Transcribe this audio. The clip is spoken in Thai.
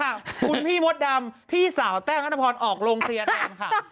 คุณพี่มดดำพี่สาวแต้งนัทพรออกโรงเคลียร์แทนค่ะ